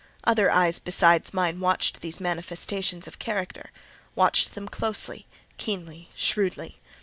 Other eyes besides mine watched these manifestations of character—watched them closely, keenly, shrewdly.